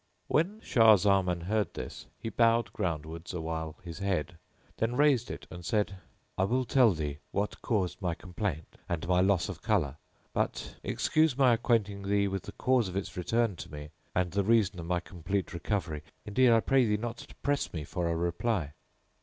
When Shah Zaman heard this he bowed groundwards awhile his head, then raised it and said, "I will tell thee what caused my complaint and my loss of colour; but excuse my acquainting thee with the cause of its return to me and the reason of my complete recovery: indeed I pray thee not to press me for a reply."